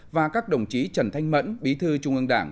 và các đồng chí trần thanh mẫn bí thư trung ương đảng